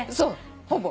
ほぼ。